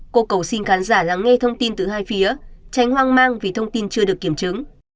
cô cầu xin khán giả lắng nghe thông tin từ hai phía tránh hoang mang vì thông tin chưa được kiểm chứng